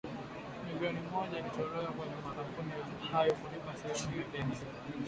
Milioni moja ilitolewa kwa makampuni hayo kulipa sehemu ya deni hilo